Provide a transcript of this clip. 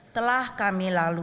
telah kami lalui